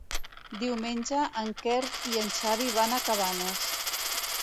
Diumenge en Quer i en Xavi van a Cabanes.